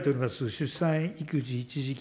出産育児一時金